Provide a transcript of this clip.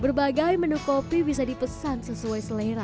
berbagai menu kopi bisa dipesan sesuai selera